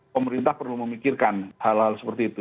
pemerintah perlu memikirkan hal hal seperti itu